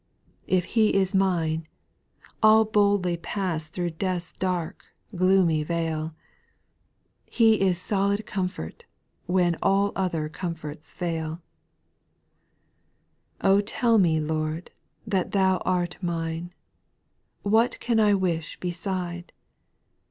5. If He is mine, I '11 boldly pass Through death's dark, gloomy vale ; He is solid comfort, when All other comforts fail 6. tell me. Lord, that Thou art mine ; What can I wish beside